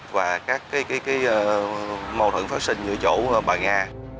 và các mâu hứng phát sinh giữa chỗ bà nga